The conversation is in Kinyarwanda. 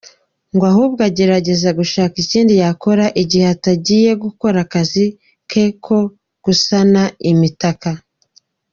Ngo ahubwo agerageza gushaka ikindi yakora, igihe atagiye gukora akazi ke ko gusana imitaka.